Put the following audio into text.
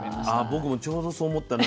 僕もちょうどそう思ったんだ。